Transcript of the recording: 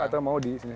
atau mau di sini